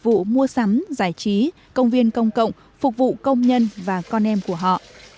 vụ mua sắm giải trí công viên công cộng phục vụ công nhân và con em của họ